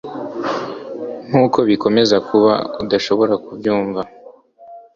nkuko bikomeza kuba udashobora kubyumva